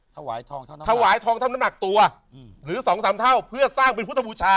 ถวายทองเท่านั้นถวายทองเท่าน้ำหนักตัวหรือสองสามเท่าเพื่อสร้างเป็นพุทธบูชา